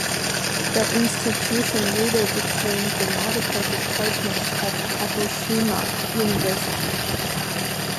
The institution later became the medical department of Kagoshima University.